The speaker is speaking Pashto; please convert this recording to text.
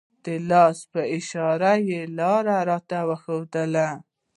د لاس په اشاره یې لاره راته وښودله.